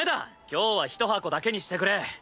今日は１箱だけにしてくれ。